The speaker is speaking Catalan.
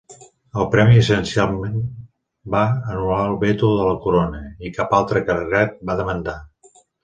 El premi essencialment va anul·lar el veto de la Corona, i cap altre clergat va demandar.